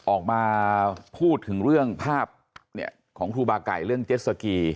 ออกมาพูดถึงเรื่องภาพของครูบาไก่เรื่องเจ็ดสกี